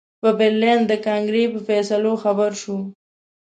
په برلین د کنګرې په فیصلو خبر شو.